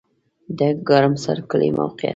د ګرم سر کلی موقعیت